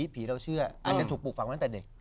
ผีเราเชื่ออาจจะถูกปลูกฝังตั้งแต่เด็ก